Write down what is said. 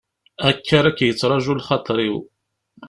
Akka ara k-yettraǧu lxaṭer-iw.